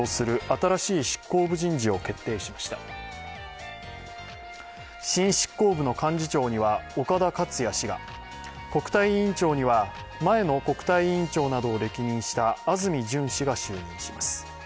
新執行部の幹事長には岡田克也氏が国対委員長には、前の国対委員長などを歴任した安住淳氏が就任します。